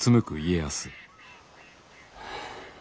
はあ。